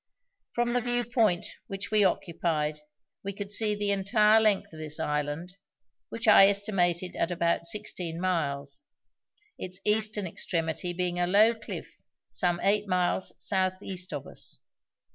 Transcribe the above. From the view point which we occupied we could see the entire length of this island, which I estimated at about sixteen miles, its eastern extremity being a low cliff some eight miles south east of us.